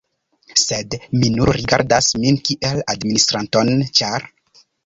Sed mi nur rigardas min kiel administranton, ĉar.